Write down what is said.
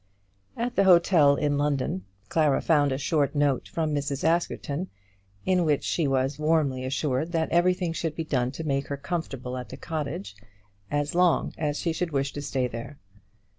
At the hotel in London Clara found a short note from Mrs. Askerton, in which she was warmly assured that everything should be done to make her comfortable at the cottage as long as she should wish to stay there.